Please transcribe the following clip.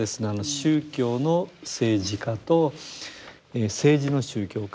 宗教の政治化と政治の宗教化。